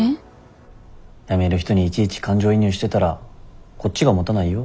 辞める人にいちいち感情移入してたらこっちがもたないよ。